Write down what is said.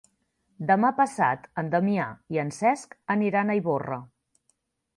Demà passat en Damià i en Cesc aniran a Ivorra.